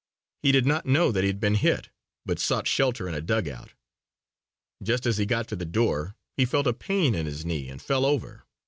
He did not know that he had been hit, but sought shelter in a dugout. Just as he got to the door he felt a pain in his knee and fell over.